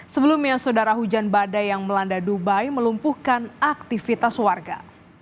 sebelumnya saudara hujan badai yang melanda dubai melumpuhkan aktivitas warga